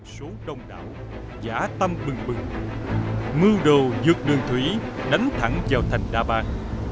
số đông đảo giã tâm bừng bừng mưu đồ dược đường thủy đánh thẳng vào thành đa bàn